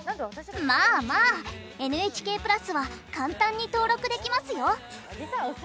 まあまあＮＨＫプラスは簡単に登録できますよ。